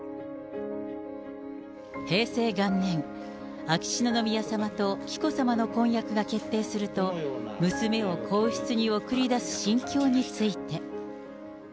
平成元年、秋篠宮さまと紀子さまの婚約が決定すると、娘を皇室に送り出す心境について。